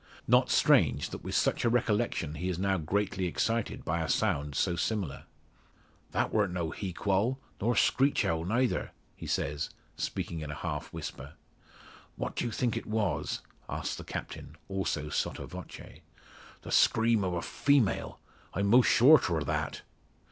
Not strange, that with such a recollection he is now greatly excited by a sound so similar! "That waren't no heequall; nor screech owl neyther," he says, speaking in a half whisper. "What do you think it was?" asks the Captain, also sotto voce. "The scream o' a female. I'm 'most sure 'twor that."